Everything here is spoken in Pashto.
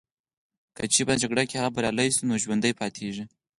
که چیري په دا جګړه کي هغه بریالي سي نو ژوندي پاتیږي